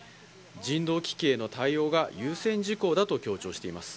人道危機への対応が優先事項だと強調しています。